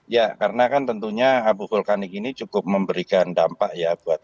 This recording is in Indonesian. ya karena kan tentunya abu vulkanik ini cukup memberikan dampak ya